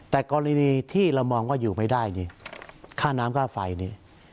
แต่กรณีที่เรามองว่าอยู่ไม่ได้นี่ค่าน้ำค่าไฟนี่